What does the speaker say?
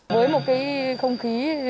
với một cái không khí